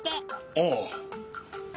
ああ。